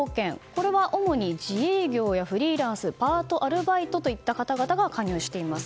これは主に自営業やフリーランスパート、アルバイトといった方々が加入しています。